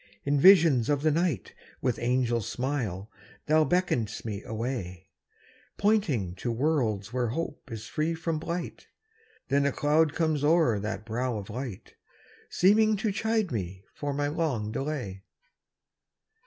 In visions of the night With angel smile thou beckon'st me away, Pointing to worlds where hope is free from blight; And then a cloud comes o'er that brow of light, Seeming to chide me for my long delay.